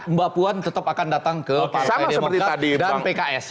mbak puan tetap akan datang ke pak fede mokah dan pks